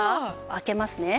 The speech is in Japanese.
開けますね。